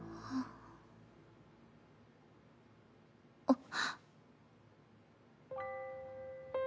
あっ。